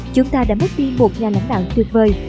chúng ta đã mất đi một nhà lãnh đạo tuyệt vời